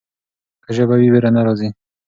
که ژبه وي ویره نه راځي.